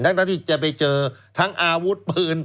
ทั้งที่จะไปเจอทั้งอาวุธปืน